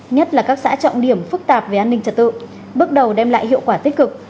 nhất là các xã trọng điểm phức tạp về an ninh trật tự bước đầu đem lại hiệu quả tích cực